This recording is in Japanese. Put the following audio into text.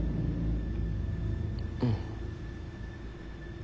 うん。